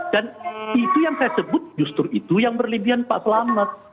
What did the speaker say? dan itu yang saya sebut justru itu yang berlebihan pak selamat